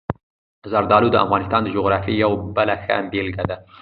زردالو د افغانستان د جغرافیې یوه بله ښه بېلګه ده.